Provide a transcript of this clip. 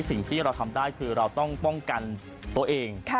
สิ่งที่เราทำได้คือเราต้องป้องกันตัวเอง